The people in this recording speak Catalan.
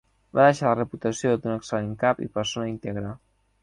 Va deixar la reputació d'un excel·lent cap i persona íntegre.